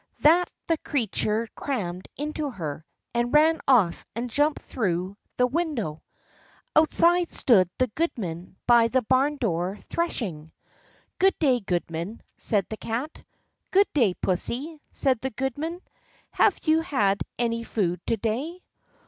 That the creature crammed into her, and ran off and jumped through the window. Outside stood the goodman by the barndoor threshing. "Good day, goodman," said the Cat. "Good day, pussy," said the goodman; "have you had any food to day?"